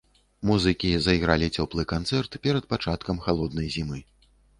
Музыкі зайгралі цёплы канцэрт перад пачаткам халоднай зімы.